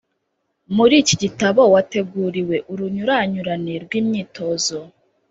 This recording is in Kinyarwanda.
Muri iki gitabo wateguriwe urunyuranyurane rw’imyitozo